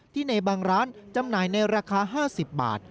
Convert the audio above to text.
ในบางร้านจำหน่ายในราคา๕๐บาท